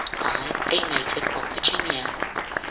By a Native of Virginia."